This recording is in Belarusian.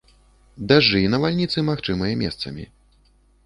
Дажджы і навальніцы магчымыя месцамі.